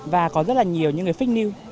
và có rất là nhiều những cái fake news